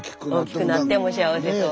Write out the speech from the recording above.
大きくなっても幸せそう。